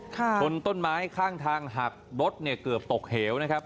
ชนต้นไม้ข้างทางหักรถเนี่ยเกือบตกเหวนะครับ